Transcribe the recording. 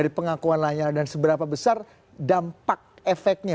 dari pengakuan lanyala dan seberapa besar dampak efeknya